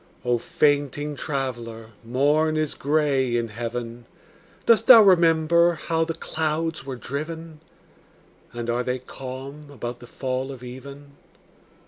O fainting traveller, morn is gray in heaven. Dost thou remember how the clouds were driven? And are they calm about the fall of even?